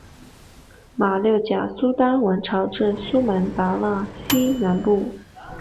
马六甲苏丹王朝至苏门答腊西南部。